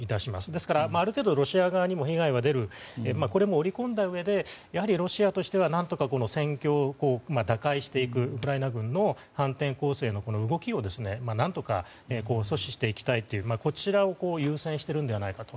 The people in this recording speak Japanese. ですから、ある程度ロシア側にも被害が出るこれも織り込んだうえでやはりロシアとしては何とか戦況を打開していくウクライナ軍の反転攻勢の動きを何とか阻止していきたいというこちらを優先しているのではないかと。